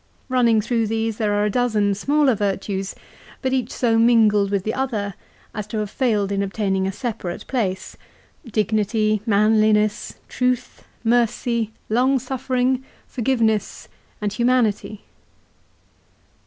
Running through these there are a dozen smaller virtues, but each so mingled with the other as to have failed in obtaining a separate place ; dignity, manliness, truth, mercy, long suffering, forgiveness, and humanity.